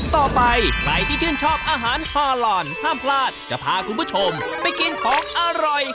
ต่อไปใครที่ชื่นชอบอาหารฮอลอนห้ามพลาดจะพาคุณผู้ชมไปกินของอร่อย